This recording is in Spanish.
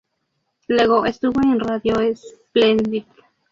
Luego estuvo en Radio Splendid.